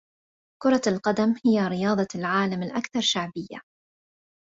كرة القدم هي رياضة العالم الأكثر شعبيّة.